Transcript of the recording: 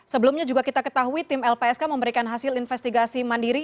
sebelumnya juga kita ketahui tim lpsk memberikan hasil investigasi mandiri